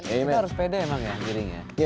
kita harus pede emang ya